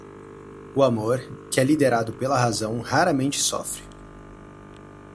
O amor, que é liderado pela razão, raramente sofre.